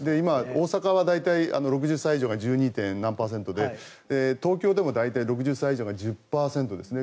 大阪は大体６０歳以上が１２．何パーセントで東京でも大体６０歳以上が１０％ですね。